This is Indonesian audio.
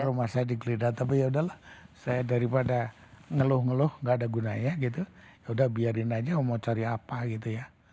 rumah saya digeledah tapi yaudahlah saya daripada ngeluh ngeluh gak ada gunanya gitu yaudah biarin aja mau cari apa gitu ya